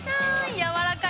やわらかい。